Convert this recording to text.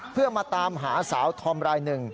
เพื่อมาตามหาสาวธอมรายหนึ่ง